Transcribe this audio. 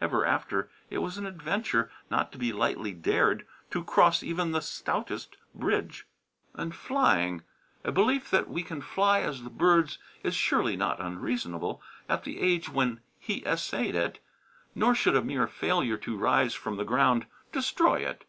Ever after it was an adventure not to be lightly dared to cross even the stoutest bridge. And flying! A belief that we can fly as the birds is surely not unreasonable at the age when he essayed it. Nor should a mere failure to rise from the ground destroy it.